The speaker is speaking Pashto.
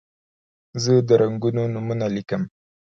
زه د رنګونو نومونه لیکم.